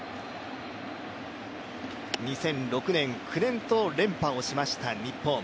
２００６年、２００９年と連覇をしました日本。